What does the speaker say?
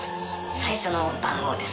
最初の番号です。